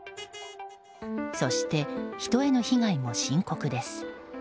そして、人への被害も深刻です。